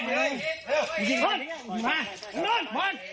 แต่ถ้ามีภาคอีกที่ก็จะมีภาคต่อไป